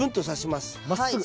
まっすぐ。